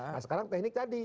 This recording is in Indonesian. nah sekarang teknik tadi